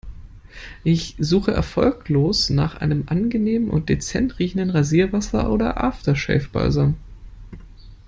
Ich suche erfolglos nach einem angenehm und dezent riechenden Rasierwasser oder After-Shave-Balsam.